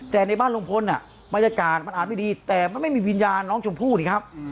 แต่ในบ้านลุงพลบรรยากาศมันอาจไม่ดีแต่มันไม่มีวิญญาณน้องชมพู่นี่ครับ